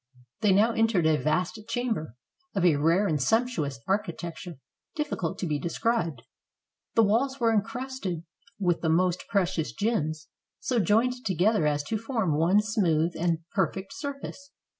They now entered a vast chamber, of a rare and sumptuous architecture difficult to be described. The walls were incrusted with the most precious gems, so joined together as to form one smooth and perfect sur face.